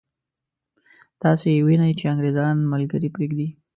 تاسو یې وینئ چې انګرېزان ملګري پرېږدي.